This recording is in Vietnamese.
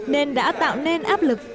nên đã tạo nên áp lực